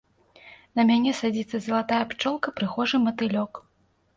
На мяне садзіцца залатая пчолка, прыгожы матылёк.